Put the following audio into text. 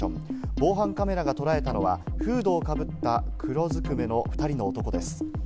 防犯カメラが捉えたのは、フードをかぶった黒ずくめの２人の男です。